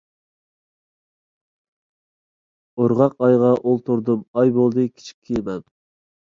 ئورغاق ئايغا ئولتۇردۇم، ئاي بولدى كىچىك كېمەم.